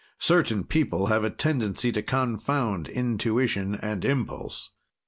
Certain people have a tendency to confound intuition and impulse.